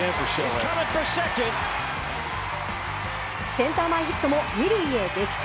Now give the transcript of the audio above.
センター前ヒットも２塁へ激走。